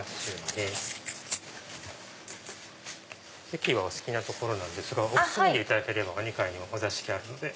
席はお好きな所なんですがお靴脱いでいただければお２階にもお座敷あるので。